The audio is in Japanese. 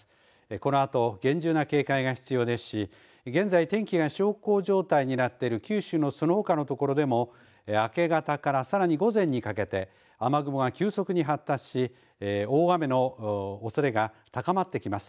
このあと厳重な警戒が必要ですし現在、天気が小康状態になっている九州のそのほかの所でも明け方から、さらに午前にかけて雨雲が急速に発達し大雨のおそれが高まってきます。